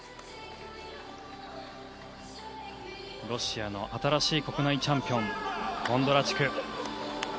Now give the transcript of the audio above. ロシアの新しい国内チャンピオンコンドラチュク。